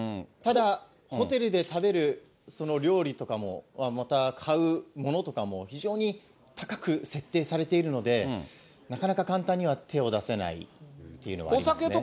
ただホテルで食べるその料理とかも、また買うものとかも非常に高く設定されているので、なかなか簡単には手を出せないっていうのはありますね。